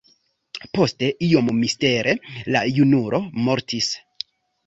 Poste, iom mistere, la junulo mortis.